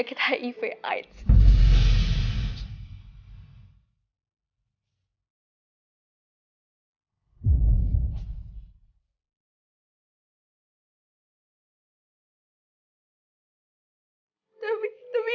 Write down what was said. ibu ngelakuin itu semua demi keluarga